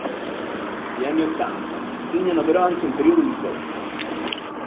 Gli anni Ottanta, segnano però anche un periodo di svolta.